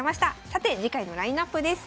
さて次回のラインナップです。